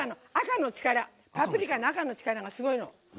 パプリカの赤の力がすごいのよ。